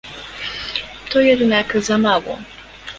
To jednak za mało